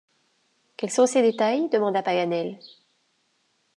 Quels sont ces détails? demanda Paganel.